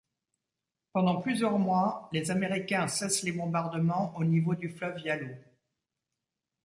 Pendant plusieurs mois les Américains cessent les bombardements au niveau du fleuve Yalou.